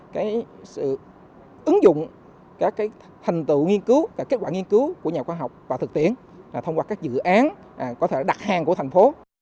cái sự ứng dụng các thành tựu nghiên cứu và kết quả nghiên cứu của nhà khoa học và thực tiễn thông qua các dự án có thể đặt hàng của thành phố